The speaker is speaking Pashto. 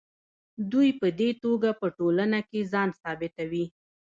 دوی په دې توګه په ټولنه کې ځان ثابتوي.